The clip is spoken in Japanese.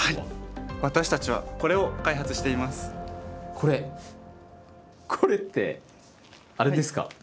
これこれってあれですか？